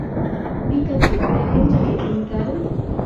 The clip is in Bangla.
পিকা-চু, কেমন চলে দিনকাল?